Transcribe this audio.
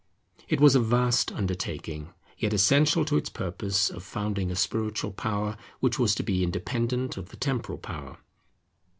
It was a vast undertaking, yet essential to its purpose of founding a spiritual power which was to be independent of the temporal power.